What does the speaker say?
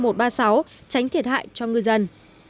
tránh thiệt hại cho ngư dân